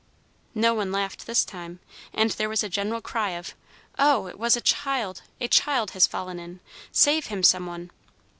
No one laughed this time, and there was a general cry of "Oh, it was a child! A child has fallen in! Save him, some one!"